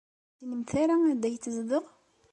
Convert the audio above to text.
Ur tessinemt ara anda ay tezdeɣ?